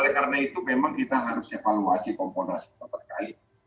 oleh karena itu memang kita harus evaluasi komponasi terkait